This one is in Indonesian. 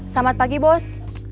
selamat pagi bos